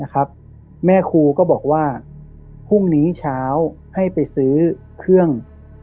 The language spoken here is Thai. แม่ครูก็บอกว่าพรุ่งนี้เช้าให้ไปซื้อเครื่อง